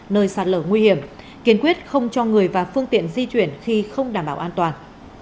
nơi sạt lở nguy hiểm kiên quyết không cho người và phương tiện di chuyển khi không đảm bảo an toàn